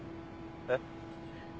えっ？